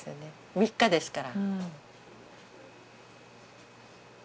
３日ですから。